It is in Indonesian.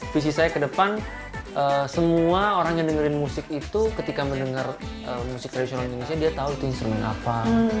visi saya ke depan semua orang yang dengerin musik itu ketika mendengar musik tradisional indonesia dia tahu itu instrumen apa